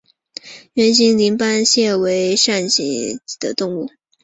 圆形鳞斑蟹为扇蟹科鳞斑蟹属的动物。